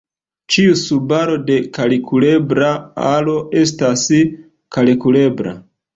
Ĉiu subaro de kalkulebla aro estas kalkulebla.